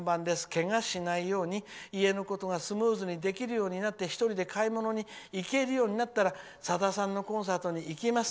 けがしないように、家のことがスムーズにできるようになって１人で買い物に行けるようになったらさださんのコンサートに行きます。